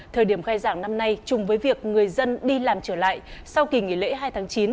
thời điểm khai giảng năm nay chung với việc người dân đi làm trở lại sau kỳ nghỉ lễ hai tháng chín